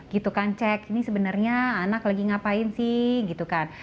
gitu kan cek ini sebenarnya anak lagi ngapain sih gitu kan